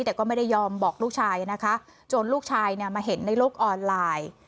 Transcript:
แต่ก็ไม่ได้ยอมบอกลูกชายนะคะจนลูกชายเนี่ยมาเห็นในโลกออนไลน์